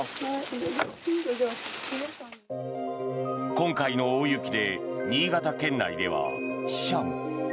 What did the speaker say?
今回の大雪で新潟県内では死者も。